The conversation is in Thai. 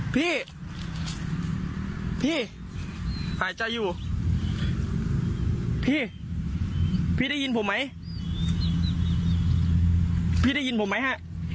พี่พี่หายใจอยู่พี่พี่ได้ยินผมไหมพี่พี่ได้ยินผมไหมฮะ